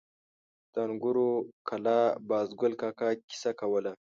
د انګورو کلا بازګل کاکا کیسه کوله.